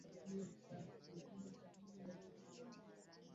alafu ulikomu unakuta elfu moja mia nane na hamsini